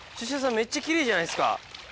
めっちゃ奇麗じゃないですか。